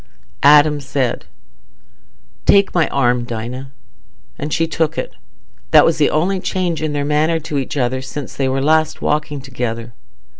Adam said, "Take my arm, Dinah," and she took it. That was the only change in their manner to each other since they were last walking together.